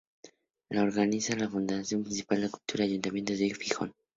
La organiza la Fundación Municipal de Cultura del Ayuntamiento de Gijón.